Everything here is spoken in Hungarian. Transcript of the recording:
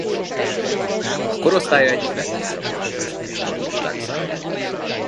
A korosztálya egyik leggyorsabb játékosaként tartották számon.